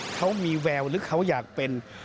เขามีแววหรือเขาอยากเป็น